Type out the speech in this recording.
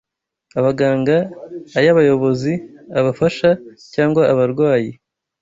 abaganga, ay’abayobozi, abafasha, cyangwa abarwayi